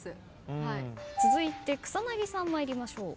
続いて草薙さん参りましょう。